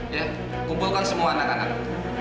ya kumpulkan semua anak anak